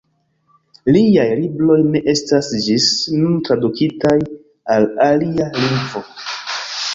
Liaj libroj ne estas ĝis nun tradukitaj al alia lingvo.